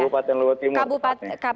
kabupaten lubu timur